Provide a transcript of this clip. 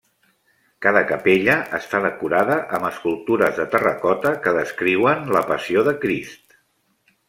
Cada capella està decorada amb escultures de terracota que descriuen la Passió de Crist.